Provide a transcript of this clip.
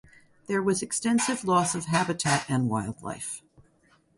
There was extensive loss of habitat and wildlife.